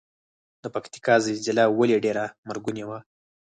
د پکتیکا زلزله ولې ډیره مرګونې وه؟